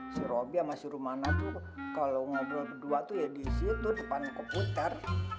si robby sama si rumana tuh kalau ngobrol berdua tuh ya disitu depan komputer